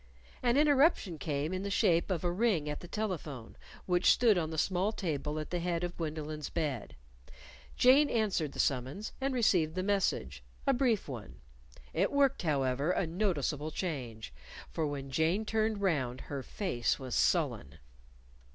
An interruption came in the shape of a ring at the telephone, which stood on the small table at the head of Gwendolyn's bed. Jane answered the summons, and received the message, a brief one. It worked, however, a noticeable change. For when Jane turned round her face was sullen.